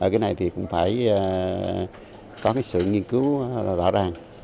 cái này thì cũng phải có cái sự nghiên cứu rõ ràng